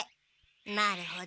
なるほど。